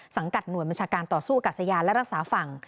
หน่วยบัญชาการต่อสู้อากาศยานและรักษาฝั่ง